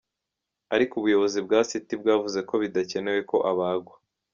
Ariko ubuyobozi bwa City bwavuze ko bidakenewe ko abagwa.